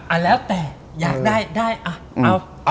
อันแล้วแต่อยากได้ได้เอา